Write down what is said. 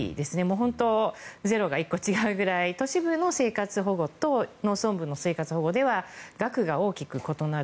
本当にゼロが１個違うくらい都市部の生活保護と農村部の生活保護では額が大きく異なる。